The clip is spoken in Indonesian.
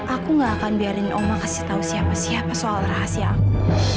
aku gak akan biarin oma kasih tahu siapa siapa soal rahasia aku